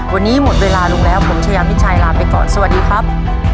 วันนี้หมดเวลาลงแล้วผมชายามิชัยลาไปก่อนสวัสดีครับ